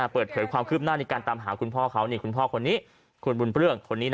เปิดเผยความคืบหน้าในการตามหาคุณพ่อเขาคุณพ่อคนนี้คุณบุญเปลื้องคนนี้